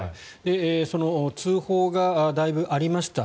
その通報がだいぶありました。